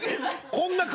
こんな顔？